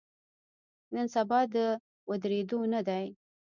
نن سبا د ودریدو نه دی.